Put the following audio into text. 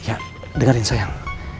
ya dengerin sayang